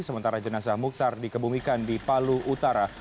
sementara jenazah mukhtar dikebumikan di palu utara